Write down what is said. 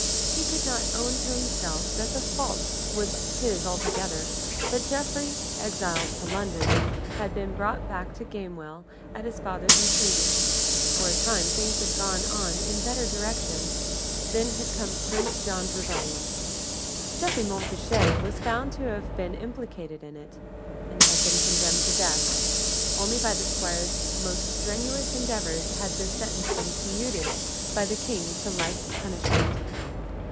He could not own to himself that the fault was his altogether: but Geoffrey, exiled to London, had been brought back to Gamewell at his father's entreaty. For a time things had gone on in a better direction then had come Prince John's rebellion. Geoffrey Montfichet was found to have been implicated in it, and had been condemned to death. Only by the Squire's most strenuous endeavors had this sentence been commuted by the King to life punishment.